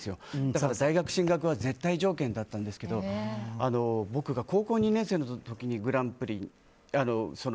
だから大学進学は絶対条件だったんですけど僕が高校２年生の時に。